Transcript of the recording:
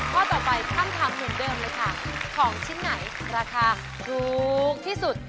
ข้อต่อไปคำถามเหมือนเดิมเลยค่ะของชิ้นไหนราคาถูกที่สุด